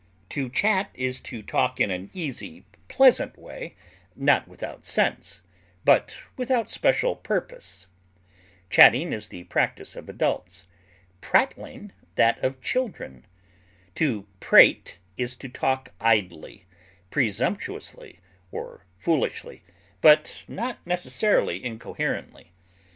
To chat is to talk in an easy, pleasant way, not without sense, but without special purpose. Chatting is the practise of adults, prattling that of children. To prate is to talk idly, presumptuously, or foolishly, but not necessarily incoherently.